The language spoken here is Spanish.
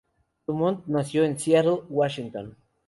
Dumont nació en Seattle, Washington.